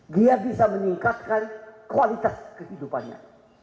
dia bisa meningkatkan kualitas kehidupannya